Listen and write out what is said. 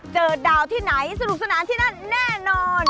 เจอดาวที่ไหนสนุกสนานที่นั่นแน่นอน